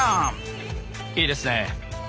いいですね。